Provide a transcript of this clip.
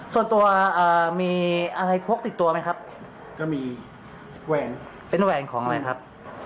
ส่วนตัวมีอะไรพกติดตัวไหมครับก็มีแหวนเป็นแหวนของอะไรครับ